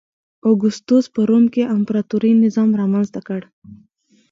اګوستوس په روم کې امپراتوري نظام رامنځته کړ